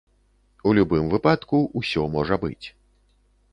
У любым выпадку, усё можа быць.